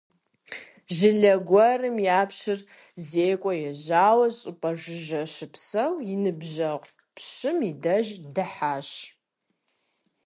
Жылэ гуэрым япщыр зекӀуэ ежьауэ щӏыпӏэ жыжьэ щыпсэу и ныбжьэгъу пщым и деж дыхьащ.